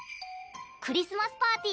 クリスマスパーティ